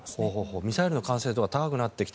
ミサイルの完成度が高くなってきた。